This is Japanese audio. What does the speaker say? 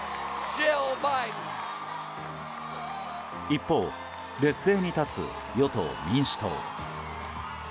一方、劣勢に立つ与党・民主党。